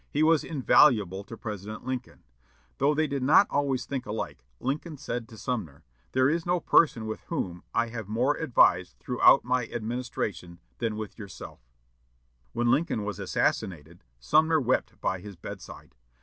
He was invaluable to President Lincoln. Though they did not always think alike, Lincoln said to Sumner, "There is no person with whom I have more advised throughout my administration than with yourself." When Lincoln was assassinated, Sumner wept by his bedside.